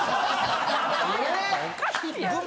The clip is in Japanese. おかしいやろ。